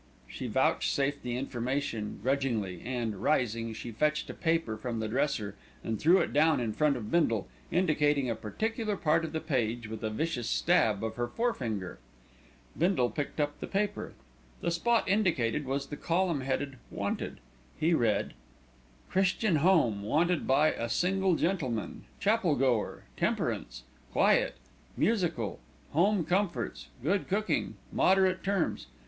She vouchsafed the information grudgingly and, rising, she fetched a paper from the dresser and threw it down in front of Bindle, indicating a particular part of the page with a vicious stab of her fore finger. Bindle picked up the paper. The spot indicated was the column headed "Wanted." He read: "CHRISTIAN HOME wanted by a single gentleman, chapel goer, temperance, quiet, musical, home comforts, good cooking, moderate terms.